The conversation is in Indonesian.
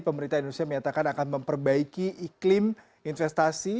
pemerintah indonesia menyatakan akan memperbaiki iklim investasi